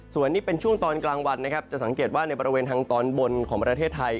ส่วนนี้เป็นช่วงตอนกลางวันนะครับจะสังเกตว่าในบริเวณทางตอนบนของประเทศไทย